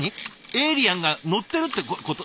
エイリアンが乗ってるってこと？